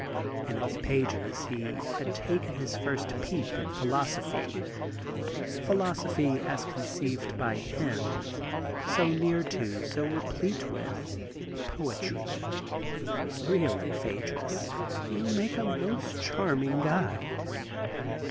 In its pages he had taken his first peep at philosophy — philosophy, as conceived by him, so near to, so replete with, poetry; —* Really, Phaedrus, you make a most charming guide.